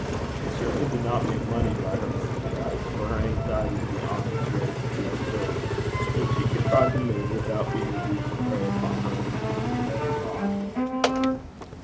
She certainly did not make money by her merchandise, for her anxiety to be honest rose to the absurd; but she contrived to live without being reduced to prey upon her own gingerbread and rock.